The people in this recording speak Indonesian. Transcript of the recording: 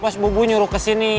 bos bubu nyuruh kesini